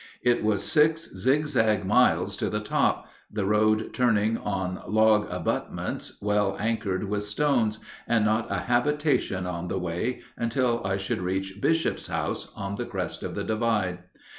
It was six zigzag miles to the top, the road turning on log abutments, well anchored with stones, and not a habitation on the way until I should reach Bishop's house, on the crest of the divide.